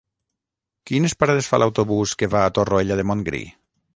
Quines parades fa l'autobús que va a Torroella de Montgrí?